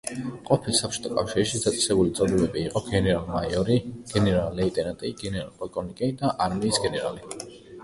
ყოფილ საბჭოთა კავშირში დაწესებული წოდებები იყო: გენერალ-მაიორი, გენერალ-ლეიტენანტი, გენერალ-პოლკოვნიკი და არმიის გენერალი.